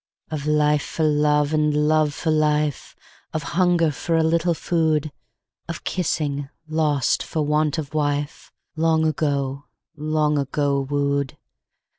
Of life for love and love for life, Of hunger for a little food, Of kissing, lost for want of a wifeLong ago, long ago wooed.